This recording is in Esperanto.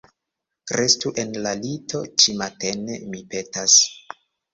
Restu en la lito ĉimatene, mi petas.